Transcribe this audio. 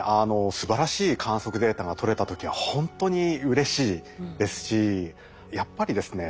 すばらしい観測データが取れた時はほんとにうれしいですしやっぱりですね